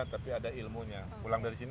tapi ada ilmunya pulang dari sini